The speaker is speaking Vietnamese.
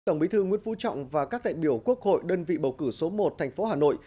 tổng bí thư nguyễn phú trọng và các đại biểu quốc hội đơn vị bầu cử số một thành phố hà nội